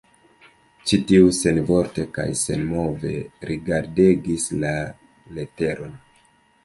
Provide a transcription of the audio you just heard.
Ĉi tiu senvorte kaj senmove rigardegis la leteron.